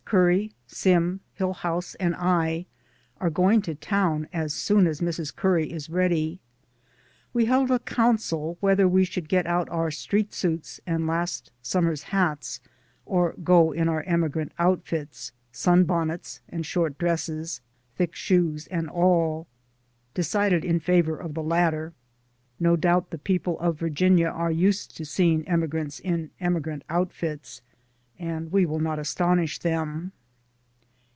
Curry, Sim, Hillhouse and I are go ing to town as soon as Mrs. Curry is ready. We held a council whether we should get out our street suits and last summer's hats, or go in our emigrant outfits, sunbonnets and short dresses, thick shoes and all. Decided in favor of the latter. No doubt the people of Virginia are used to seeing emigrants in emigrant outfits, and we will not astonish them.